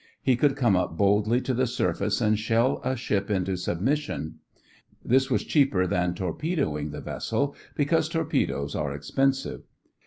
He could come up boldly to the surface and shell a ship into submission. This was cheaper than torpedoing the vessel, because torpedoes are expensive.